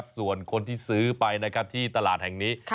ส่วนคนที่จะซื้อมาแหละที่ตลาดแห่งนี้